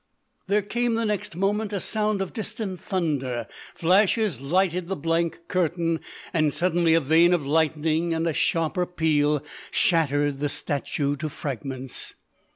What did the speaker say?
There came, the next moment, a sound of distant thunder; flashes lighted the blank curtain; and suddenly a vein of lightning and a sharper peal shattered the statue to fragments.